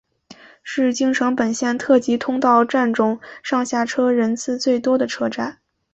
是京成本线特急通过站中上下车人次最多的车站。